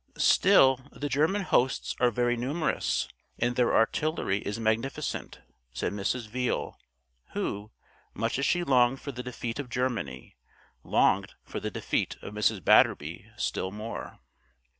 "Still, the German hosts are very numerous, and their artillery is magnificent," said Mrs. Veale, who, much as she longed for the defeat of Germany, longed for the defeat of Mrs. Batterby still more.